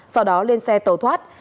sau đó lên xe tàu thoát